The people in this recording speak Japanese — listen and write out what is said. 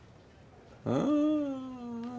うん。